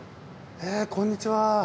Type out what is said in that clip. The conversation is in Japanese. えこんにちは。